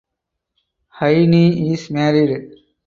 Haynie is married.